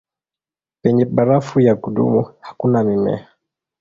Penye barafu ya kudumu hakuna mimea.